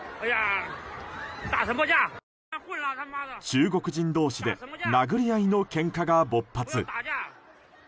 中国人同士で殴り合いのけんかが勃発。